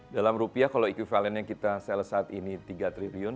dalam rupiah kalau equivalennya kita sel saat ini tiga triliun